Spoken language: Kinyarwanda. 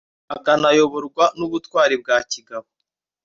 akanayoborwa n'ubutwari bwa kigabo